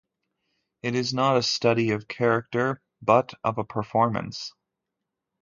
It is not a study of character, but of a performance.